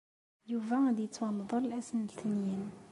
Yuba ad yettwamḍel ass n letniyen.